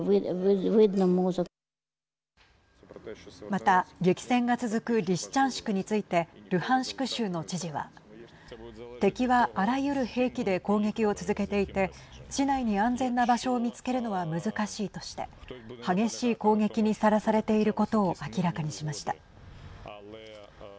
また、激戦が続くリシチャンシクについてルハンシク州の知事は敵は、あらゆる兵器で攻撃を続けていて市内に安全な場所を見つけるのは難しいとして激しい攻撃にさらされていることを明らかにしました。